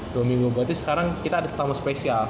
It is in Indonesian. dua minggu berarti sekarang kita ada pertama spesial